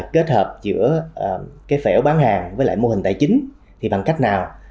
kết hợp giữa cái phẻo bán hàng với lại mô hình tài chính thì bằng cách nào